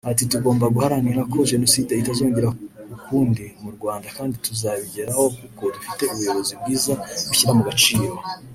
Ati “Tugomba guharanira ko Jenoside itazongera ukundi mu Rwanda kandi tuzabigeraho kuko dufite ubuyobozi bwiza bushyira mu gaciro